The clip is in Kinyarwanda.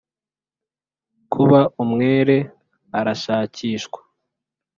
kuba umwere arashakishwa;